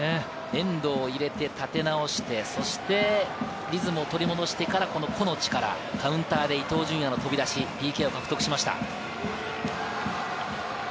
遠藤を入れて、立て直して、リズムを取り戻してから、この個の力、カウンターで伊東純也の飛び出し、ＰＫを獲得しました。